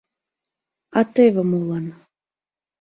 А теве молан.